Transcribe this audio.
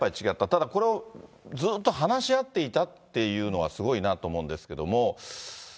ただ、これをずっと話し合っていたというのはすごいなと思うんですけれども。